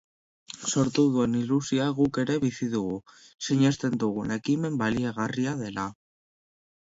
Sortu duen ilusioa guk ere bizi dugu, sinesten dugu ekimen baliagarria dela.